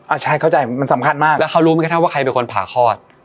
ชายเข้าใจมันสำคัญมากแล้วเขารู้ไหมคะว่าใครเป็นคนผ่าคลอด